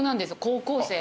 高校生。